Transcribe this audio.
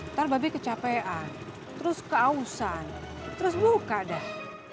ntar babi kecapean terus keausan terus luka dah